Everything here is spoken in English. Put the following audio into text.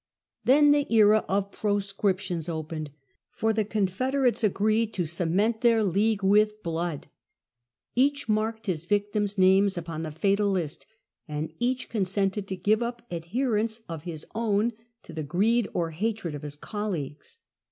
Then the era of Proscriptions opened, for the confederates agreed to cement their league with blood. Each marked his victims' names upon the fatal list, and each consented to give up adherents of his own to the greed or hatred of his colleagues.